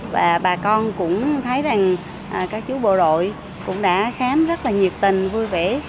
và bà con cũng thấy rằng các chú bộ đội cũng đã khám rất là nhiệt tình vui vẻ